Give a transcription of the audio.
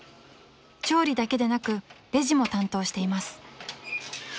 ［調理だけでなくレジも担当しています］